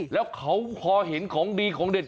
แล้วเขาพอเห็นของดีของเด็ด